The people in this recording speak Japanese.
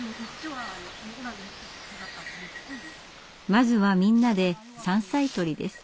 まずはみんなで山菜採りです。